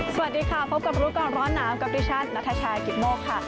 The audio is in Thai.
สวัสดีค่ะพบกับรู้ก่อนร้อนหนาวกับดิฉันนัทชายกิตโมกค่ะ